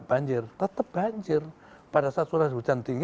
banjir tetap banjir pada saat surah hujan tinggi